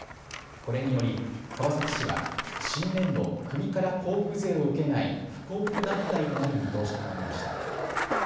これにより川崎市は新年度、国から交付税を受けない不交付団体となる見通しとなりました。